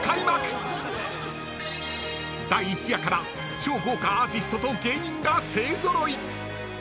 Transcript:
［第１夜から超豪華アーティストと芸人が勢揃い！］